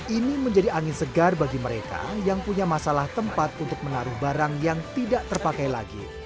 ini menjadi angin segar bagi mereka yang punya masalah tempat untuk menaruh barang yang tidak terpakai lagi